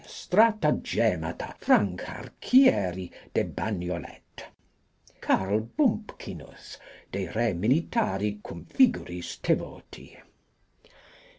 Stratagemata Francharchiaeri de Baniolet. Carlbumpkinus de Re Militari cum Figuris Tevoti.